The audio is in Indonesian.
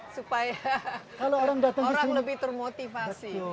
supaya orang lebih termotivasi